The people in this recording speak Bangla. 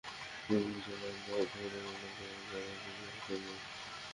মনে হচ্ছিল লাইন ধরে কয়েকজন নগ্ন মানুষ দাঁড়িয়ে আছে যাদের হাত নেই।